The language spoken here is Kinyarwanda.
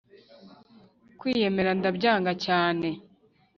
kwiyemera ndabyanga cyane?